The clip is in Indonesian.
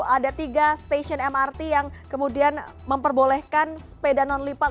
ada tiga stasiun mrt yang kemudian memperbolehkan sepeda non lipat